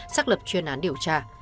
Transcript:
xác lập chuyên án điều tra